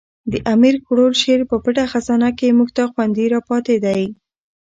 د امیر کروړ شعر په پټه خزانه کښي موږ ته خوندي را پاته دئ.